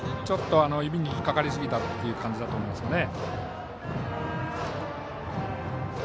ちょっと、指に引っかかりすぎた感じだと思います。